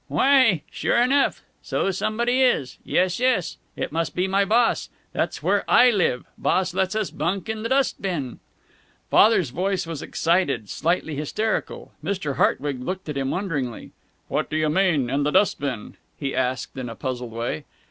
"Why! Sure enough! So somebody is! Yes, yes! It must be my boss. That's where I live. Boss lets us bunk in the dust bin." Father's voice was excited, slightly hysterical. Mr. Hartwig looked at him wonderingly. "What do you mean, 'in the dust bin'?" he asked, in a puzzled way.